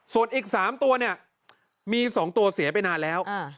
ส่วนอีก๓ตัวเนี่ยมี๒ตัวเสียไปนานแล้ว